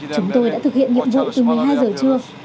chúng tôi đã thực hiện nhiệm vụ từ một mươi hai giờ trưa